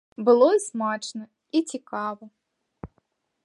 Было і смачна, і цікава.